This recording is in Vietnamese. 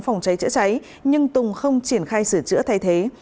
phòng cháy chữa cháy nhưng tùng không triển khai sửa chữa thay thế